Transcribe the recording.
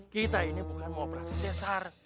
kita ini bukan mau operasi cesar